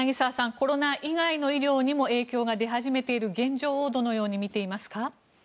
コロナ以外の医療にも影響が出始めている現状をどのように見ていますか。